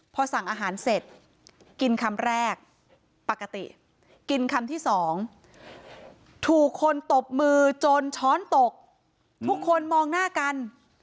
พอสั่งอาหารเสร็จกินคำแรกปกติกินคำที่สองถูกคนตบมือจนช้อนตกทุกคนมองหน้ากัน